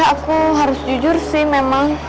aku harus jujur sih memang